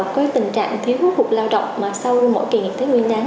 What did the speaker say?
vâng thưa ông có tình trạng thiếu hút lao động mà sau mỗi kỳ nghỉ tết nguyên đáng